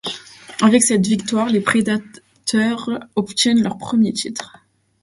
Avec cette victoire les Predators obtiennent leur premier titre.